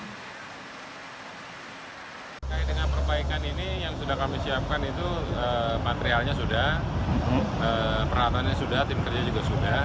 terkait dengan perbaikan ini yang sudah kami siapkan itu materialnya sudah peralatannya sudah tim kerja juga sudah